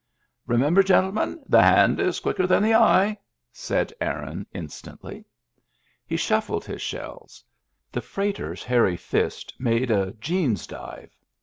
Remember, gentlemen, the hand is quicker than the eye," said Aaron, instantly. He shuflflied his shells. The freighter's hairy fist made a "jeans dive."